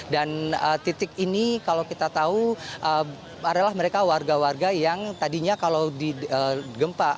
dan titik ini kalau kita tahu adalah mereka warga warga yang tadinya kalau di gempa